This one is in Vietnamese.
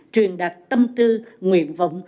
truyền đặt tâm tư nguyện vọng